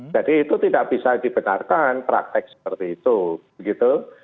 jadi itu tidak bisa dibenarkan praktek seperti itu